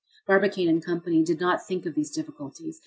Barbicane & Co. did not think of these difficulties.